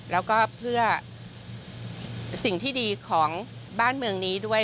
แล้วก็เพื่อสิ่งที่ดีของบ้านเมืองนี้ด้วย